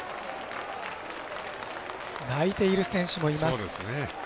泣いている選手もいます。